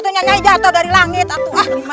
nyai jatuh dari langit atuh